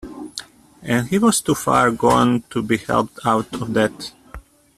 And he was too far gone to be helped out of that.